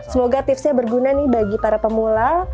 semoga tipsnya berguna nih bagi para pemula